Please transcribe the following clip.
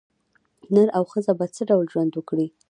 نر او ښځه په څه ډول ژوند وکړي.